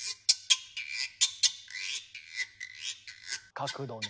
角度ね。